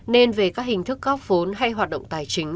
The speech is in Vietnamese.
nên về các hình thức góp vốn hay hoạt động tài chính